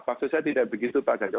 maksud saya tidak begitu pak ganjar